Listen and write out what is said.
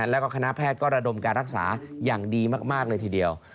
แล้วก็คณะแพทย์ก็ระดมการรักษาอย่างดีมากเลยทีเดียว